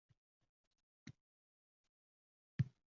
Nazarimda, bu olamda neki bor bo’lsa edi.